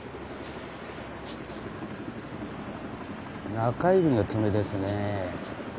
中指の爪ですね。